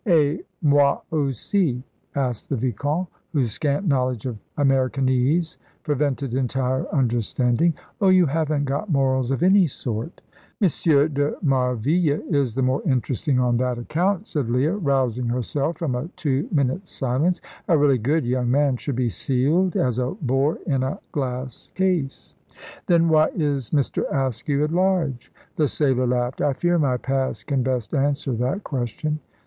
"Et moi aussi?" asked the vicomte, whose scant knowledge of Americanese prevented entire understanding. "Oh, you haven't got morals of any sort." "M. de Marville is the more interesting on that account," said Leah, rousing herself from a two minutes' silence; "a really good young man should be sealed, as a bore, in a glass case." "Then why is Mr. Askew at large?" The sailor laughed. "I fear my past can best answer that question."